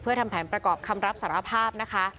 เพื่อทำแผนประกอบคำรับสารภาพนะคะ